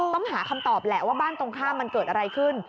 ต้องหาคำตอบแหละว่าบ้านตรงข้ามมันเกิดอะไรขึ้น